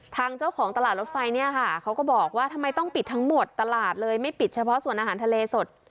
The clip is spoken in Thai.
ทางเจ้าของตลาดรถไฟเนี่ยค่ะเขาก็บอกว่าทำไมต้องปิดทั้งหมดตลาดเลยไม่ปิดเฉพาะส่วนอาหารทะเลสด